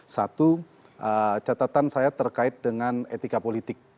satu catatan saya terkait dengan etika politik